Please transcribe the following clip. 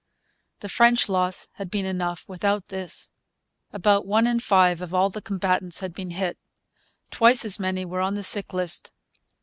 The French loss had been enough without this. About one in five of all the combatants had been hit. Twice as many were on the sick list.